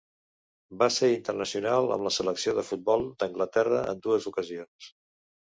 Va ser internacional amb la selecció de futbol d'Anglaterra en dues ocasions.